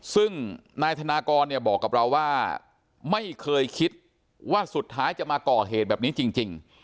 ซึ่งนายธนากรเนี่ยบอกกับเราว่าไม่เคยคิดว่าสุดท้ายจะมาก่อเหตุแบบนี้จริง